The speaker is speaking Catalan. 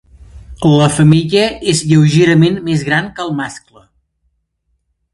La femella és lleugerament més gran que el mascle.